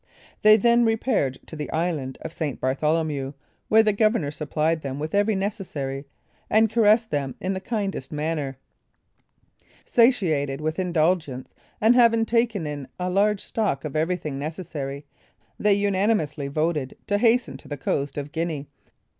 They then repaired to the island of St. Bartholomew, where the governor supplied them with every necessary, and caressed them in the kindest manner. Satiated with indulgence, and having taken in a large stock of everything necessary, they unanimously voted to hasten to the coast of Guinea.